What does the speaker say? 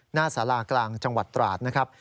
หน้าสารากลางจังหวัดตราดนะครับ